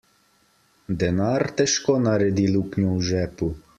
Denar težko naredi luknjo v žepu.